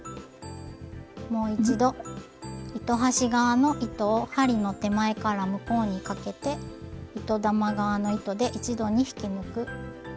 もう一度糸端側の糸を針の手前から向こうにかけて糸玉側の糸で一度に引き抜く。